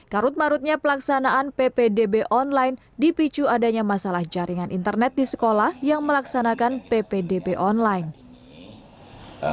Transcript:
karut marutnya pelaksanaan ppdb online dipicu adanya masalah jaringan internet di sekolah yang melaksanakan ppdb online